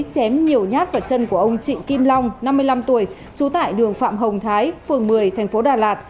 chém nhiều nhát vào chân của ông trịnh kim long năm mươi năm tuổi trú tại đường phạm hồng thái phường một mươi thành phố đà lạt